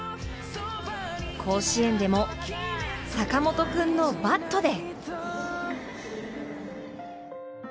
甲子園でも、坂本君のバットで！